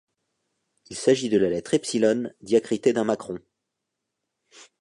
Il s’agit de la lettre epsilon diacritée d'un macron.